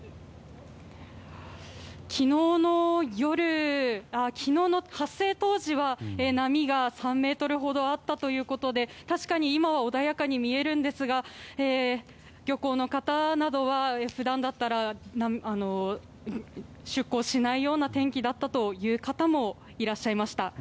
昨日の発生当時は波が３ｍほどあったということで確かに、今は穏やかに見えるんですが漁港の方などは、普段だったら出航しないような天気だったという方もいらっしゃいました。